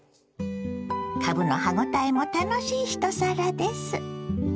かぶの歯応えも楽しい一皿です。